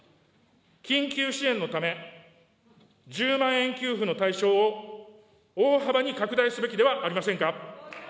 緊急支援のため、１０万円給付の対象を大幅に拡大すべきではありませんか。